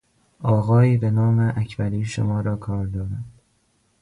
آقایی به نام اکبری شما را کار دارد.